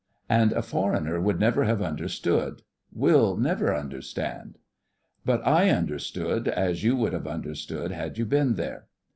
And a foreigner would never have understood—will never understand! But I understood, as you would have understood, had you been there.